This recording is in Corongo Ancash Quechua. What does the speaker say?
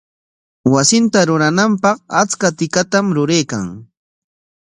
Wasinta rurananpaq achka tikatam ruraykan.